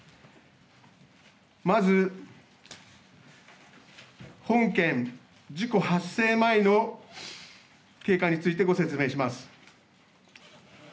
まず、本件事故発生前の経過についてご説明します。